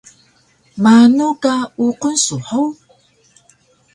Manu ka uqun su hug?